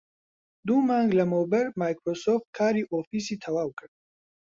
دوو مانگ لەمەوبەر مایکرۆسۆفت کاری ئۆفیسی تەواو کرد